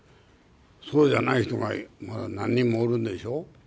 そうじゃない人が何人もおるんでしょう。